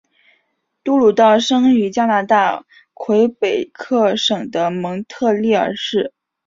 杜鲁道生于加拿大魁北克省的蒙特利尔市。